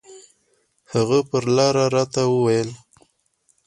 هغه پر لاره راته وويل.